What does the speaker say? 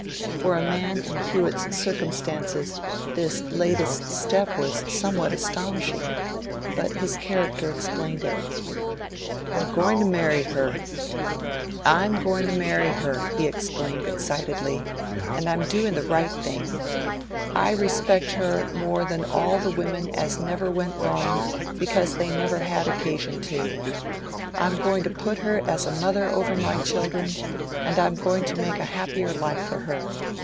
For a man in Hewett's circumstances this latest step was somewhat astonishing, but his character explained it. 'I'm goin' to marry her,' he exclaimed excitedly, 'and I'm doing the right thing! I respect her more than all the women as never went wrong because they never had occasion to. I'm goin' to put her as a mother over my children, and I'm goin' to make a happier life for her.